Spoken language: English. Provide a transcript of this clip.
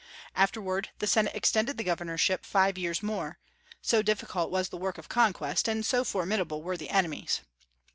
Afterward the Senate extended the governorship five years more; so difficult was the work of conquest, and so formidable were the enemies.